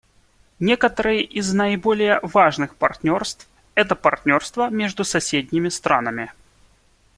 Некоторые из наиболее важных партнерств — это партнерства между соседними странами.